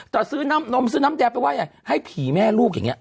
แต่ซื้อน้ำนมซื้อน้ำแดงไปว่าอย่างให้ผีแม่ลูกอย่างนี้